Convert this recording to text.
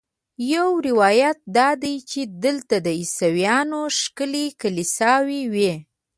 یو روایت دا دی چې دلته د عیسویانو ښکلې کلیساوې وې.